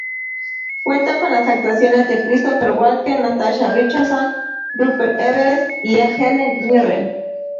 Cuenta con las actuaciones de Christopher Walken, Natasha Richardson, Rupert Everett y Helen Mirren.